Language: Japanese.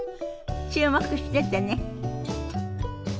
注目しててね。